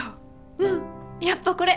うんやっぱこれ。